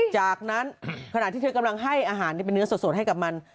จากนั้นขณะที่เธอกำลังให้อาหารที่เป็นเนื้อสดให้กับมัน